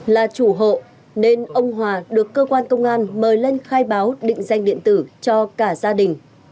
là chủ hộ nên ông hòa được cơ quan công an mời lên khai báo định danh điện tử cho cả gia đình